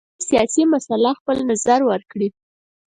په هره سیاسي مسله خپل نظر ورکړي.